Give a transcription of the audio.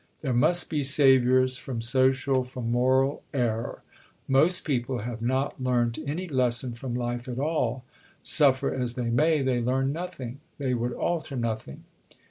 There must be saviours from social, from moral, error. Most people have not learnt any lesson from life at all suffer as they may, they learn nothing, they would alter nothing....